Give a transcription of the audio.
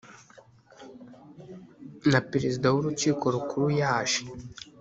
na perezida w urukiko rukuru yaje